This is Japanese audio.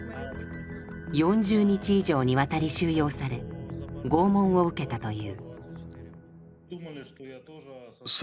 ４０日以上にわたり収容され拷問を受けたという。